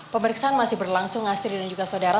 pemeriksaan masih berlangsung astri dan juga saudara